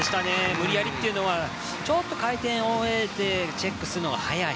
無理やりというのはちょっと回転を終えてチェックするのが早い。